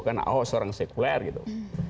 karena ahok seorang sekuler gitu